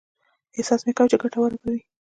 احساس مې کاوه چې ګټوره به وي.